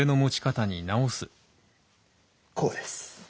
こうです。